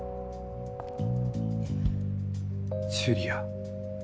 ジュリア。